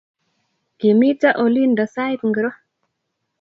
Kimito olindo sait ngiro?